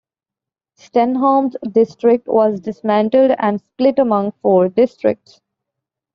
Stenholm's district was dismantled and split among four districts.